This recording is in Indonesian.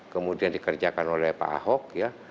kemudian dikerjakan oleh pak ahok ya